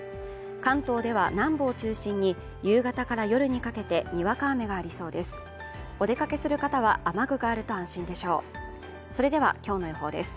関東では南部を中心に夕方から夜にかけてにわか雨がありそうです